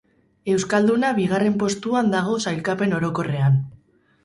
Euskalduna bigarren postuan dago sailkapen orokorrean.